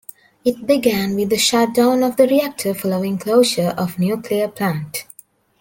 It began with the shutdown of the reactor following closure of nuclear plant.